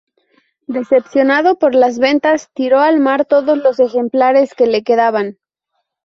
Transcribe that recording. Decepcionado por las ventas tiró al mar todos los ejemplares que le quedaban.